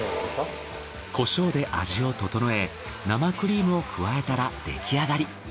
コショウで味を調え生クリームを加えたら出来上がり。